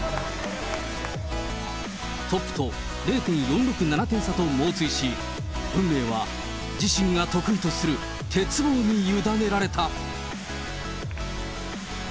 トップと０．４６７点差と猛追し、運命は自身が得意とする鉄棒に委ねられた。